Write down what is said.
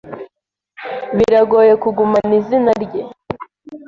Biragoye kugumana izina rye.